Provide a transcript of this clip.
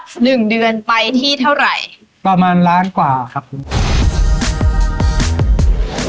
หนึ่งเดือนไปที่เท่าไหร่ประมาณล้านกว่าครับคุณ